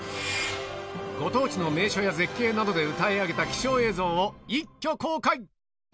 ご当地の名所や絶景などで歌い上げた貴重映像を一挙公開。